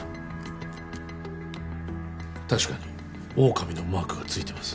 確かに狼のマークがついてます